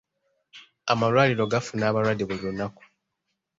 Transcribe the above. Amalwaliro gafuna abalwadde buli lunaku.